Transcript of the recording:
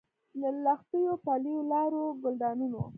د لښتیو، پلیو لارو، ګلدانونو